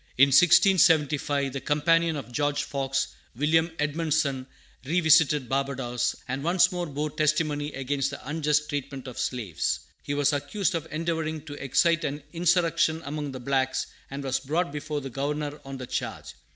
In 1675, the companion of George Fox, William Edmundson, revisited Barbadoes, and once more bore testimony against the unjust treatment of slaves. He was accused of endeavoring to excite an insurrection among the blacks, and was brought before the Governor on the charge.